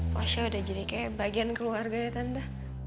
posya udah jadi kayak bagian keluarganya tante